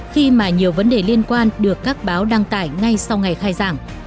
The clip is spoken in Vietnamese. khi mà nhiều vấn đề liên quan được các báo đăng tải ngay sau ngày khai giảng